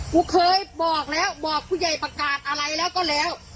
กูเคยบอกแล้วบอกผู้ใหญ่ประกาศอะไรแล้วก็แล้ว